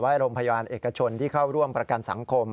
โรงพยาบาลเอกชนที่เข้าร่วมประกันสังคม